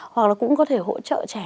hoặc là cũng có thể hỗ trợ trẻ